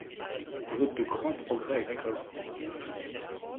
On note de grands progrès agricoles.